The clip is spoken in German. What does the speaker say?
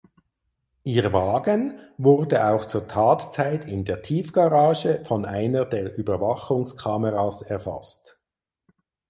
Ihr Wagen wurde auch zur Tatzeit in der Tiefgarage von einer der Überwachungskameras erfasst.